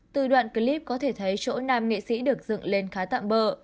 từ đoạn clip có thể thấy chỗ nam nghệ sĩ được dựng lên khá tạm bỡ